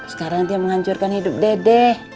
sekarang dia menghancurkan hidup dede